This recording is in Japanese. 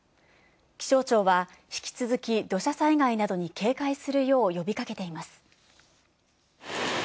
気象庁は引き続き、土砂災害などに警戒するよう呼びかけています。